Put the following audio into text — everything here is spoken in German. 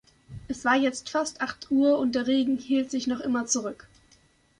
Es war jetzt fast acht Uhr und der Regen hielt sich noch immer zurück.